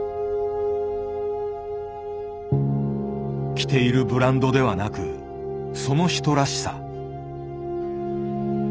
着ているブランドではなくその人らしさ。